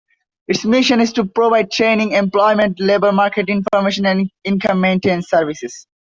Its mission is to provide training, employment, labor market information, and income maintenance services.